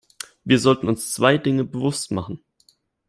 Wir sollten uns zwei Dinge bewusst machen.